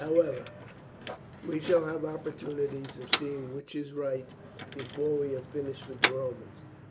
However, we shall have opportunities of seeing which is right before we have finished with the Romans.